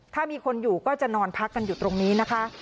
ถ้ามีคนอยู่ก็จะนอนพักกันอยู่ตรงนี้นะคะ